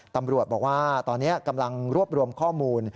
ตำรวจบอกว่าตอนนี้กำลังรวบรวมข้อมูล